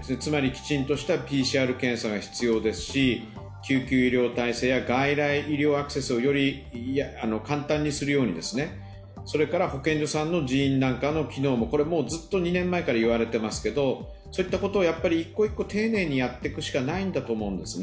つまり、きちんとしたＰＣＲ検査が必要ですし、救急医療体制や外来医療アクセスをより簡単にするように、それから保健所さんの人員なんかも、これずっと２年前から言われていますけれども、そういったことを１個１個丁寧にやっていくしかないんだと思います。